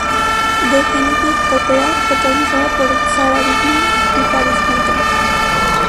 The Genetic Opera", protagonizada por Sarah Brightman y Paris Hilton.